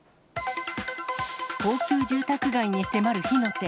高級住宅街に迫る火の手。